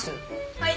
はい。